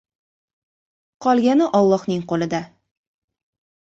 Qolgani Ollohning qo‘lida.